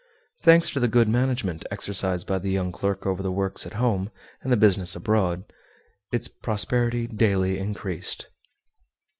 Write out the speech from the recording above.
Thanks to the good management exercised by the young clerk over the works at home and the business abroad, its prosperity daily increased.